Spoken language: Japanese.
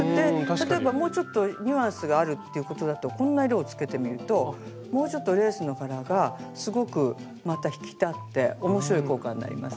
例えばもうちょっとニュアンスがあるっていうことだとこんな色をつけてみるともうちょっとレースの柄がすごくまた引き立って面白い効果になりますね。